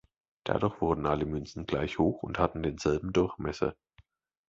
Dadurch wurden alle Münzen gleich hoch und hatten denselben Durchmesser.